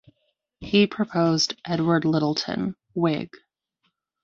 He proposed Edward Littleton (Whig).